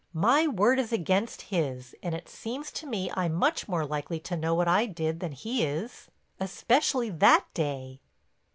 My word is against his, and it seems to me I'm much more likely to know what I did than he is—especially that day."